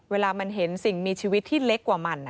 เวลามันเห็นสิ่งมีชีวิตที่เล็กกว่ามัน